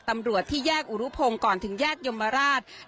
ตำรวจที่แยกอุรุพงศ์ก่อนถึงแยกยมราช